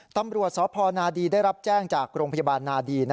ตำรวจสพนาดีได้รับแจ้งจากโรงพยาบาลนาดี